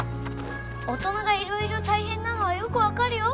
大人がいろいろ大変なのはよくわかるよ。